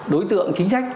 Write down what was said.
đối tượng chính sách